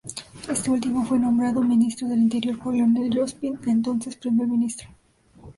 Este último fue nombrado ministro del Interior por Lionel Jospin, entonces primer ministro.